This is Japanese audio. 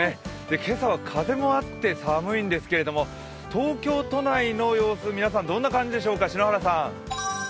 今朝は風もあって寒いんですけれども、東京都内の様子、皆さんどんな感じでしょうか、篠原さん。